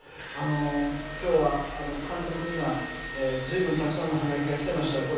今日は監督には、ずいぶんたくさんのハガキが来てました。